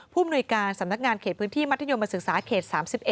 มนุยการสำนักงานเขตพื้นที่มัธยมศึกษาเขต๓๑